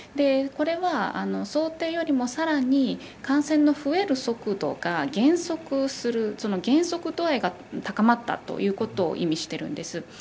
これは想定よりも、さらに感染の増える速度が減速する減速度合いが高まったということを意味しているんです。